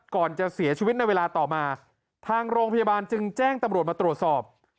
ก่อนจะเสียชีวิตในเวลาต่อมาทางโรงพยาบาลจึงแจ้งตำรวจมาตรวจสอบ